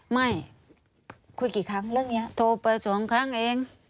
ไม่คุยกี่ครั้งเรื่องนี้โทรไปสองครั้งเอง